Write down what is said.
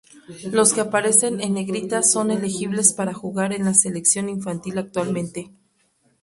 Los que aparecen en Negrita son elegibles para jugar en la selección infantil actualmente.